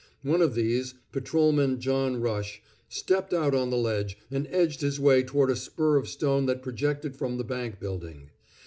One of these Patrolman John Rush stepped out on the ledge, and edged his way toward a spur of stone that projected from the bank building.